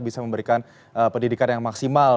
bisa memberikan pendidikan yang maksimal